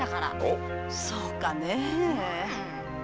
そうかねぇ。